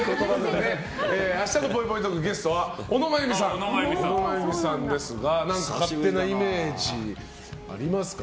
明日のぽいぽいトークのゲスト小野真弓さんですが何か勝手なイメージありますか？